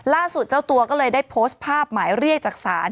ล่าสุดเจ้าตัวก็เลยได้โพสต์ภาพหมายเรียกจักษาน